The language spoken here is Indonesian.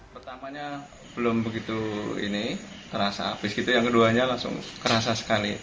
pertamanya belum begitu ini terasa habis itu yang keduanya langsung kerasa sekali